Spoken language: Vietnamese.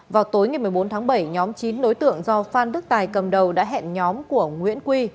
vào tối ngày một mươi bốn tháng bảy nhóm chín đối tượng do phan đức tài cầm đầu đã hẹn nhóm của nguyễn quy